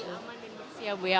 aman dan bersih ya bu ya